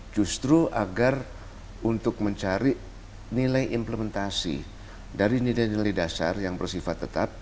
justru agar untuk mencari nilai implementasi dari nilai nilai dasar yang bersifat tetap